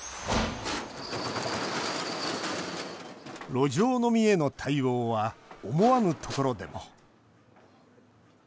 路上飲みへの対応は思わぬところでも。